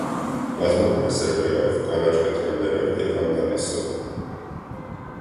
Բազմանում է սերմերով, կանաչ կտրոններով և անդալիսով։